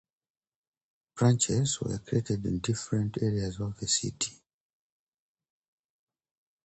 Branches were created in different areas of the city.